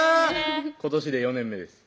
今年で４年目です